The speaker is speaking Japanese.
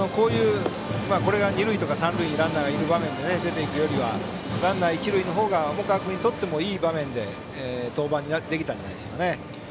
これが二塁や三塁にランナーがいる場面で出て行くよりはランナー、一塁のほうが重川君にとってもいい場面で登板できたんじゃないですかね。